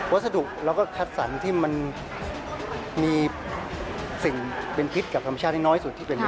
วัสดุเราก็คัดสรรที่มันมีสิ่งเป็นพิษกับธรรมชาติน้อยสุดที่เป็นไปได้